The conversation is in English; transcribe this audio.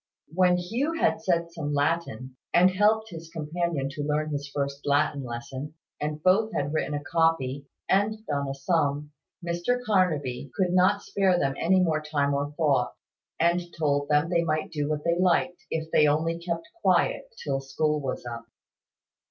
When Hugh had said some Latin, and helped his companion to learn his first Latin lesson, and both had written a copy, and done a sum, Mr Carnaby could not spare them any more time or thought, and told them they might do what they liked, if they only kept quiet, till school was up.